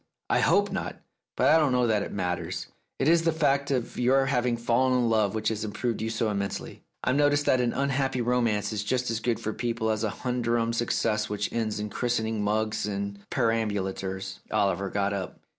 "I hope not. But I don't know that it matters. It is the fact of your having fallen in love which has improved you so immensely. I've noticed that an unhappy romance is just as good for people as a humdrum success which ends in christening mugs and perambulators." Oliver got up.